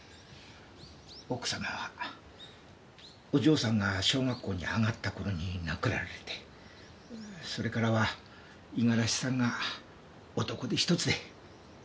奥様はお嬢さんが小学校に上がった頃に亡くなられてそれからは五十嵐さんが男手一つで。